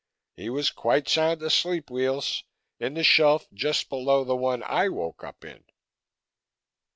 He was quite sound asleep, Weels, in the shelf just below the one I woke up in."